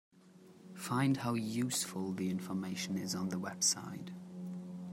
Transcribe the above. Find how useful the information is on the website.